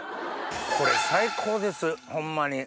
これ最高ですホンマに。